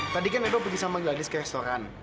tadi kan edo pergi sama gadis ke restoran